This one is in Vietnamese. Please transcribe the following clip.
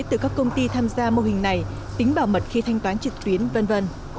từ các công ty tham gia mô hình này tính bảo mật khi thanh toán trực tuyến v v